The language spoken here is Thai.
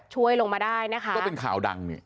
ช่วยลงมาได้นะคะก็เป็นข่าวดังนี่